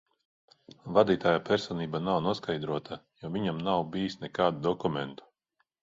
Vadītāja personība nav noskaidrota, jo viņam nav bijis nekādu dokumentu.